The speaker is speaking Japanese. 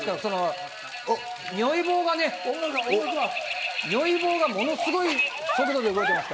如意棒がね、ものすごい速度で動いてます。